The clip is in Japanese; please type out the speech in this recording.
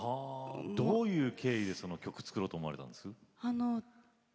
どういう経緯で曲を作ろうと思われたんです？